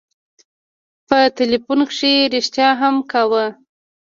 په ټېلفون کښې رښتيا هم اکا و.